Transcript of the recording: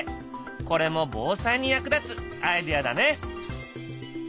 これも防災に役立つアイデアだね！